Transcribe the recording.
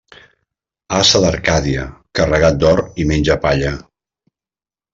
Ase d'Arcàdia, carregat d'or, i menja palla.